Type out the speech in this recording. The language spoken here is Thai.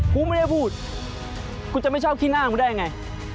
กูไม่ได้พูดกูจะไม่ชอบขี้หน้ากูได้ยังไง